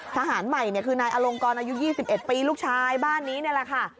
ทหารใหม่คือนายอลงกรอายุ๒๑ปีลูกชายบ้านนี้นี่แหละค่ะ